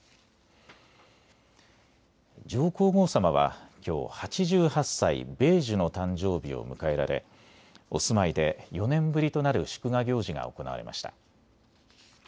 上皇后さまは、きょう８８歳・米寿の誕生日を迎えられお住まいで４年ぶりとなる祝賀行事が行われました。